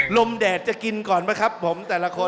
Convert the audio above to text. แดดจะกินก่อนไหมครับผมแต่ละคน